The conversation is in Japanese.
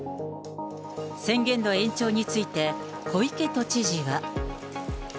宣言の延長について、小池都知事は。